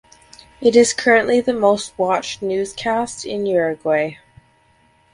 It is currently the most watched newscast in Uruguay.